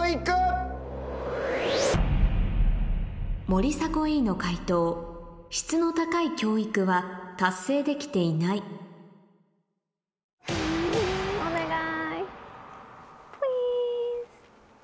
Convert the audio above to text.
森迫永依の解答「質の高い教育」は達成できていないお願い。